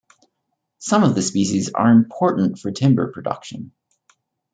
Some of the species are important for timber production.